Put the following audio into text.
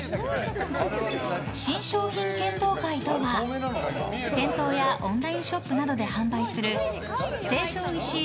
新商品検討会とは店頭やオンラインショップなどで販売する成城石井